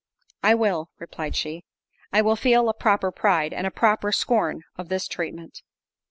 "I will," replied she, "I will feel a proper pride—and a proper scorn of this treatment."